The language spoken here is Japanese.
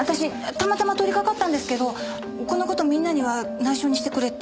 たまたま通りかかったんですけどこの事みんなには内緒にしてくれって。